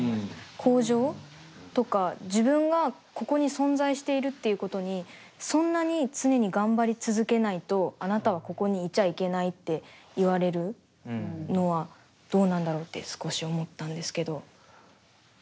向上とか自分がここに存在しているっていうことにそんなに常に頑張り続けないとあなたはここにいちゃいけないって言われるのはどうなんだろうって少し思ったんですけど。